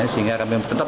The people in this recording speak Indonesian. sehingga kami tetap